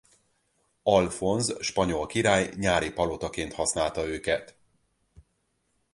Alfonz spanyol király nyári palotaként használta őket.